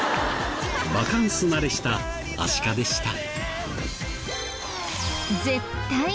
バカンス慣れしたアシカでした。